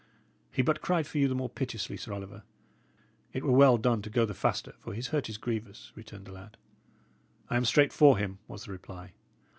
"He but cried for you the more piteously, Sir Oliver. It were well done to go the faster, for his hurt is grievous," returned the lad. "I am straight for him," was the reply.